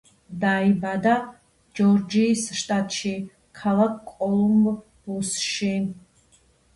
დაიბადა ჯორჯიის შტატში, ქალაქ კოლუმბუსში.